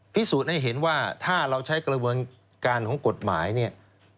พิสูจน์ให้เห็นว่าถ้าเราใช้กระบวนการของกฎหมายเนี่ย